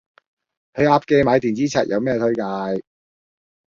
去鴨記買電子尺有咩推介